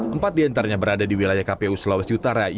empat diantaranya berada di wilayah kpu sulawesi utara